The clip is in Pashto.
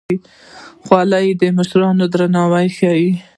خولۍ د مشرانو درناوی ښيي.